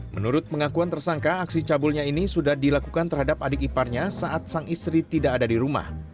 menurut pengakuan tersangka aksi cabulnya ini sudah dilakukan terhadap adik iparnya saat sang istri tidak ada di rumah